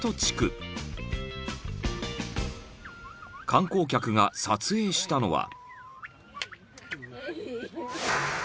［観光客が撮影したのは］